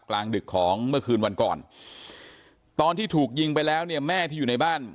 กลางดึกของเมื่อคืนวันก่อนตอนที่ถูกยิงไปแล้วเนี่ยแม่ที่อยู่ในบ้าน